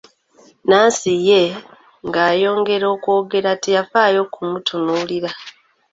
Nansi ye ng'ayongera okwogera teyafaayo kumutunuulira.